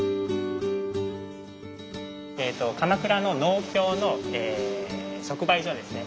鎌倉の農協の即売所ですね。